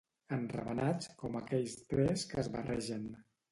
Enravenats com aquells tres que es barregen.